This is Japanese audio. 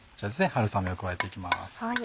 春雨を加えていきます。